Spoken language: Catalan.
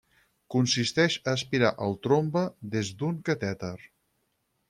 Consisteix a aspirar el trombe des d'un catèter.